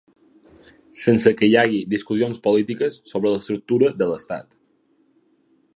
Sense que hi hagi discussions polítiques sobre l’estructura de l’estat.